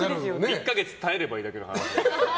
１か月耐えればいいだけの話で。